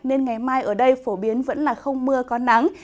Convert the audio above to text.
nên ngày mai ở đây phổ biến vẫn là không mưa có nắng